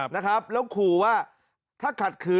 นะครับแล้วขู่ว่าถ้าขัดขืน